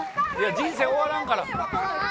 人生終わらんから。